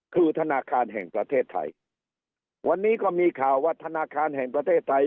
คือธนาคารแห่งประเทศไทยวันนี้ก็มีข่าวว่าธนาคารแห่งประเทศไทย